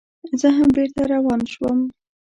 زه هم بېرته روان شوم.